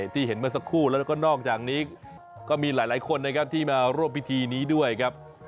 ที่เห็นเมื่อสักครู่แล้วก็นอกจากนี้ก็มีหลายคนนะครับที่มาร่วมพิธีนี้ด้วยครับ